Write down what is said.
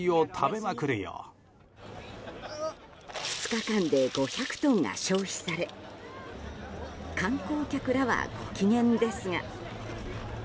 ２日間で５００トンが消費され観光客らはご機嫌ですが。